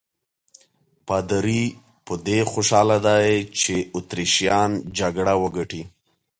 پادري په دې خوشاله دی چې اتریشیان جګړه وګټي.